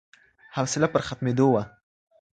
حوصله پر ختمېدو وه